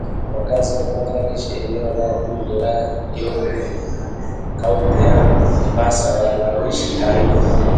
Wakaazi wa Bangladesh eneo bunge la Jomvu kaunti ya Mombasa wanaoishi karibu